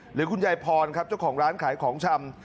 หรือคุณยายพรครับเจ้าของร้านขายของชำ